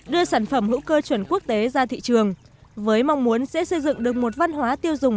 đưa sản phẩm hữu cơ chuẩn quốc tế ra thị trường với mong muốn sẽ xây dựng được một văn hóa tiêu dùng